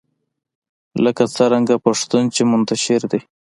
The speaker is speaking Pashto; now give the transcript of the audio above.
لکه څرنګه پښتون چې منتشر دی